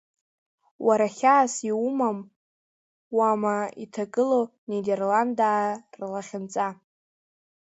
Уара хьаас иумам уама иҭагылоу нидерландаа рлахьынҵа!